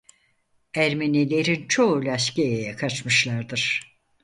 Ermenilerin çoğu Lazkiye'ye kaçmışlardır.